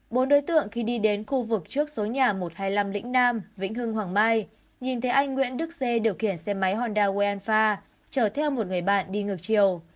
bốn đối tượng khi đi đến khu vực trước số nhà một trăm hai mươi năm lĩnh nam vĩnh hưng hoàng mai nhìn thấy anh nguyễn đức xê điều khiển xe máy honda wael fa chở theo một người bạn đi ngược chiều